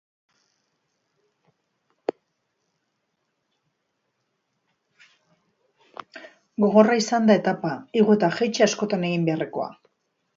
Gogorra izan da etapa, igo eta jaitsi askotan egin beharrekoa.